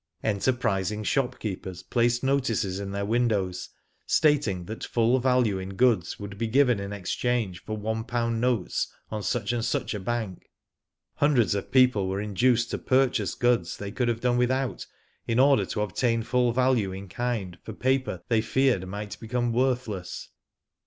Enterprising shopkeepers placed notices in their windows, stating that full value in goods would be given in exchange for one pound notes on such and such a bank. Hundreds of people were induced to purchase goods they could have done without in order to obtain full value in kind for paper they feared might become worthless.